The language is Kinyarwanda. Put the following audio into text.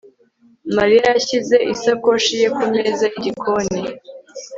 Mariya yashyize isakoshi ye kumeza yigikoni